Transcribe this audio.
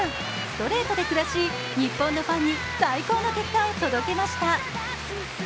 ストレートで下し日本のファンに最高の結果を届けました。